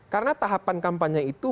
karena tahapan kampanye itu